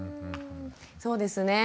そうですね。